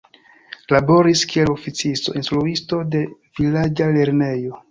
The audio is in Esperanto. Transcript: Laboris kiel oficisto, instruisto de vilaĝa lernejo.